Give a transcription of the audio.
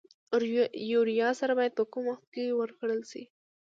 یوریا سره باید په کوم وخت کې ورکړل شي؟